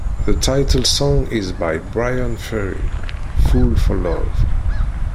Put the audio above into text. The title song is by Bryan Ferry: "Fool for Love".